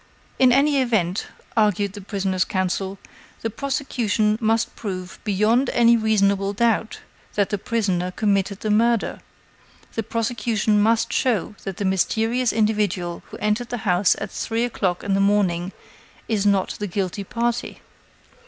"In any event," argued the prisoner's counsel, "the prosecution must prove, beyond any reasonable doubt, that the prisoner committed the murder. The prosecution must show that the mysterious individual who entered the house at three o'clock in the morning is not the guilty party.